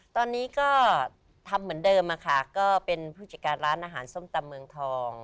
ตอนนี้ก็ทำเหมือนเดิมค่ะก็เป็นผู้จัดการร้านอาหารส้มตำเมืองทอง